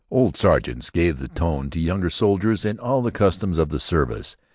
Old sergeants give the tone to younger soldiers in all the customs of the service.